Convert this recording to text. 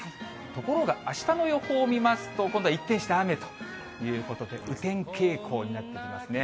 ところがあしたの予報を見ますと、今度は一転して雨ということで、雨天傾向になっていきますね。